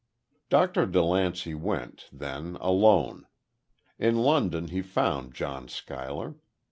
Dr. DeLancey went, then, alone. In London he found John Schuyler.